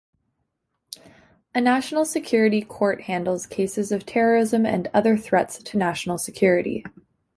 A National Security Court handles cases of terrorism and other threats to national security.